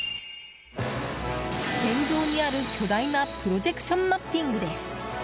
天井にある、巨大なプロジェクションマッピングです。